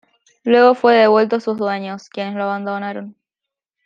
Luego fue devuelto a sus dueños, quienes lo abandonaron.